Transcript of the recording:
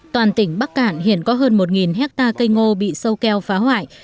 toàn tỉnh bắc cạn hiện có hơn một hectare cây ngô bị sâu keo phá hoại